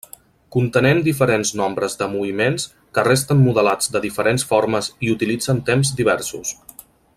Contenent diferents nombres de moviments, que resten modelats de diferents formes i utilitzen temps diversos.